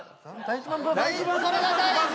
「それが大事」